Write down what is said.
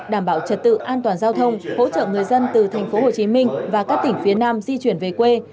đảm bảo trật tự an toàn giao thông hỗ trợ người dân từ tp hcm và các tỉnh phía nam di chuyển về quê